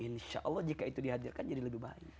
insya allah jika itu dihadirkan jadi lebih baik